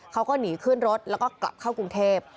เขาก็หนีขึ้นรถแล้วก็กลับเข้ากรุงเทพ